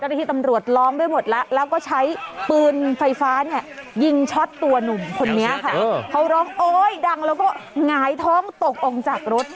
ที่ตำรวจร้องได้หมดแล้วแล้วก็ใช้ปืนไฟฟ้าเนี่ยยิงช็อตตัวหนุ่มคนนี้ค่ะเขาร้องโอ๊ยดังแล้วก็หงายท้องตกออกจากรถ